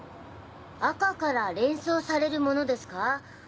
赤から連想されるモノですか？